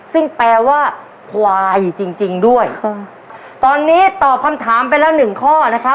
ซึ่งแปลว่าควายจริงจริงด้วยตอนนี้ตอบคำถามไปแล้วหนึ่งข้อนะครับ